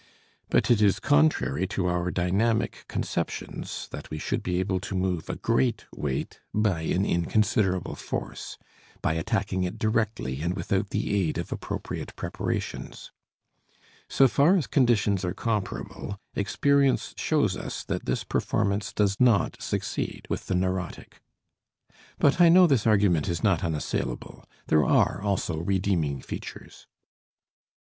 But it is contrary to our dynamic conceptions that we should be able to move a great weight by an inconsiderable force, by attacking it directly and without the aid of appropriate preparations. So far as conditions are comparable, experience shows us that this performance does not succeed with the neurotic. But I know this argument is not unassailable; there are also "redeeming features."